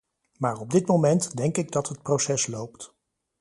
Maar op dit moment denk ik dat het proces loopt.